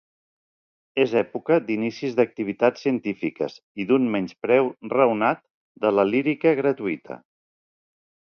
És època d'inicis d'activitats científiques i d'un menyspreu raonat de la lírica gratuïta.